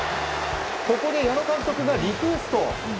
ここで矢野監督がリクエスト。